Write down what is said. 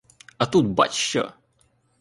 А тут бач що!